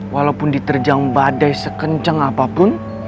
walaupun diterjang badai sekencang apapun